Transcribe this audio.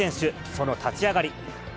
その立ち上がり。